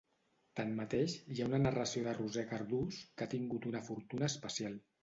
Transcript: Tanmateix, hi ha una narració de Roser Cardús que ha tingut una fortuna especial.